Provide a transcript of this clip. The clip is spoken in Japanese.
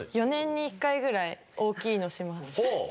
４年に１回ぐらい、大きいのそう。